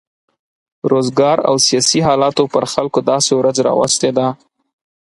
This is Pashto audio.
روزګار او سیاسي حالاتو پر خلکو داسې ورځ راوستې ده.